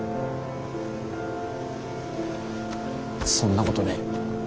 そんなことねぇ。